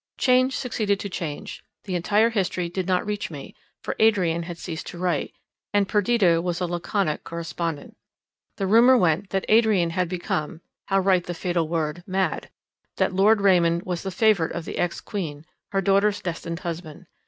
Change succeeded to change; the entire history did not reach me; for Adrian had ceased to write, and Perdita was a laconic correspondent. The rumour went that Adrian had become—how write the fatal word—mad: that Lord Raymond was the favourite of the ex queen, her daughter's destined husband.